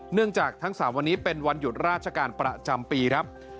เนื่องจากทั้ง๓วันนี้เป็นวันหยุดราชการประจำปีครับ